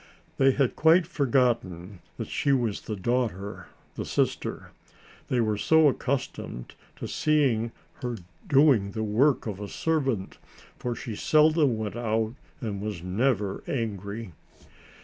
They had quite forgotten that she was the daughter, the sister; they were so accustomed to seeing her doing the work of a servant, for she seldom went out and was never angry.